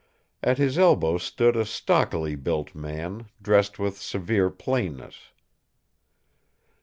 At his elbow stood a stockily built man, dressed with severe plainness.